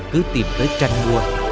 cứ tìm tới trang